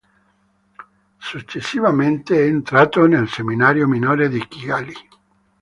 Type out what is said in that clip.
Successivamente è entrato nel seminario minore di Kigali.